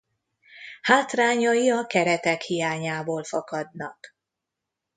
Hátrányai a keretek hiányából fakadnak.